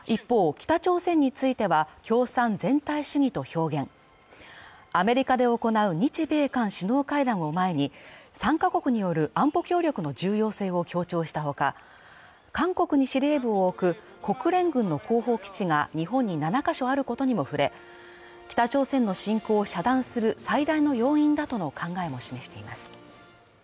北朝鮮については共産全体主義と表現アメリカで行う日米韓首脳会談を前に３か国による安保協力の重要性を強調したほか韓国に司令部を置く国連軍の後方基地が日本に７か所あることにも触れ北朝鮮の侵攻を遮断する最大の要因だとの考えも示しています